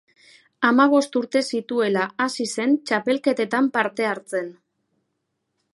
Hamabost urte zituela hasi zen txapelketetan parte hartzen.